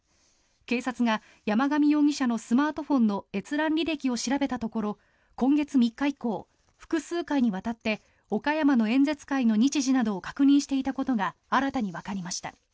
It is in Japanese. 警察が山上容疑者のスマートフォンの閲覧履歴を調べたところ今月３日以降複数回にわたって岡山の演説会の日時などを確認していたことが新たにわかりました。